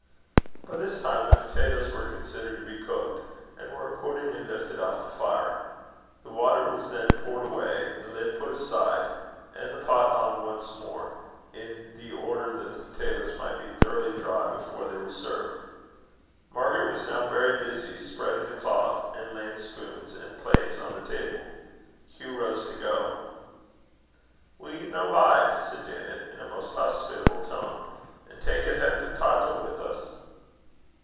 By this time the potatoes wore considered to be cooked, and were accordingly lifted off the fire. The water was then poured away, the lid put aside, and the pot hung once more upon the crook, hooked a few rings further up in the chimney, in order that the potatoes might be thoroughly dry before they were served. Margaret was now very busy spreading the cloth and laying spoon and plates on the table. Hugh rose to go. "Will ye no bide," said Janet, in a most hospitable tone, "an' tak' a het pitawta wi' us?"